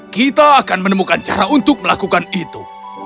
kita akan menemukan cara untuk melakukan itu